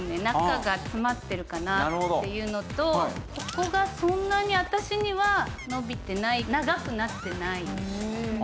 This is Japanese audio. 中が詰まってるかなっていうのとここがそんなに私には伸びてない長くなってない。